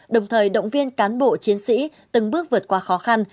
đồng thời động viên cán bộ chiến sĩ từng bước vượt qua khó khăn